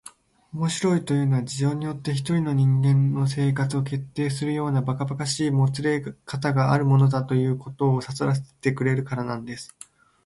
「面白いというのは、事情によっては一人の人間の生活を決定するようなばかばかしいもつれかたがあるものだ、ということをさとらせられるからなんです」